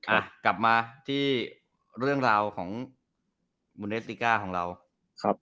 อะกลับมาที่เรื่องราวของเบิร์นอสลิกก้าของเรา